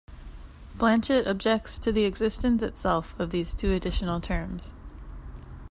Blanchet objects to the existence itself of these two additional terms.